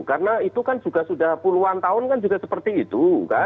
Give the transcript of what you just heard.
karena itu kan sudah puluhan tahun kan juga seperti itu